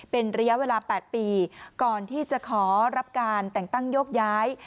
เป็นระยะเวลา๘ปีก่อนที่จะขอรับการแต่งตั้งโยกย้าย